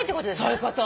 そういうこと。